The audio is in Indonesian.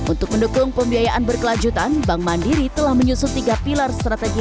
untuk mendukung pembiayaan berkelanjutan bank mandiri telah menyusut tiga pilar strategi